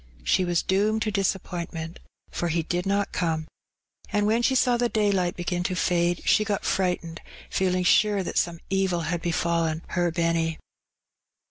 she was doomed to disappointment, for he did not come ; and when she saw the daylight begin to fade, she got frightened, feeling sure that some evil had befallen "her Benny."